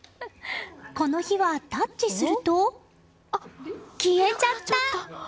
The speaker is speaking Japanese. この日は、タッチすると消えちゃった。